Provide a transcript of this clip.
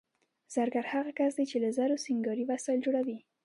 زرګر هغه کس دی چې له زرو سینګاري وسایل جوړوي